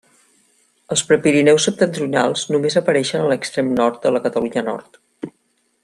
Els Prepirineus septentrionals només apareixen a l'extrem nord de la Catalunya Nord.